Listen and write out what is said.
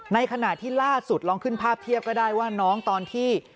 ในขณะที่ล่าสุดลองขึ้นภาพเทียบก็ได้ว่าน้องตอนที่